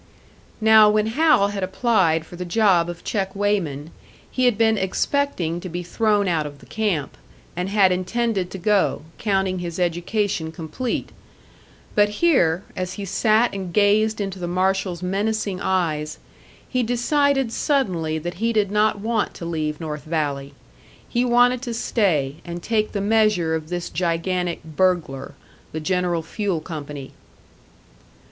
Now when Hal had applied for the job of check weighman, he had been expecting to be thrown out of the camp, and had intended to go, counting his education complete. But here, as he sat and gazed into the marshal's menacing eyes, he decided suddenly that he did not want to leave North Valley. He wanted to stay and take the measure of this gigantic "burglar," the General Fuel Company.